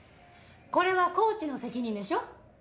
これはコーチの責任でしょ？